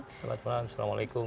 selamat malam assalamualaikum